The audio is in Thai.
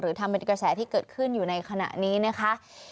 ทำเป็นกระแสที่เกิดขึ้นอยู่ในขณะนี้นะคะ